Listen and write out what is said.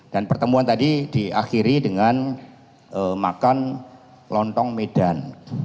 dan pertemuan tadi diakhiri dengan makan lontong medan